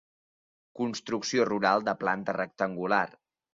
Construcció rural de planta rectangular.